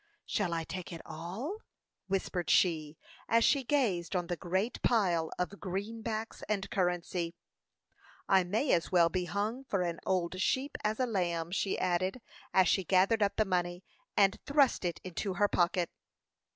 "Shall I take it all?" whispered she, as she gazed on the great pile of "greenbacks and currency." "I may as well be hung for an old sheep as a lamb," she added, as she gathered up the money, and thrust it into her pocket.